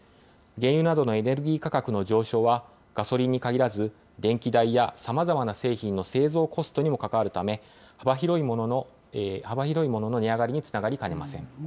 原油などのエネルギー価格の上昇は、ガソリンにかぎらず、電気代やさまざまな製品の製造コストにも関わるため、幅広い物の値上がりにつながりかねません。